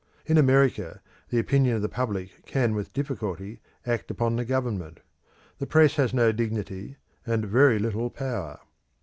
In America the opinion of the public can with difficulty act upon the government. The press has no dignity, and very little power.